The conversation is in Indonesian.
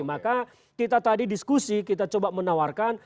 maka kita tadi diskusi kita coba menawarkan